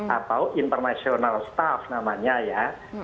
atau international staff namanya ya